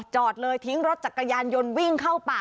จอดเลยทิ้งรถจักรยานยนต์วิ่งเข้าป่า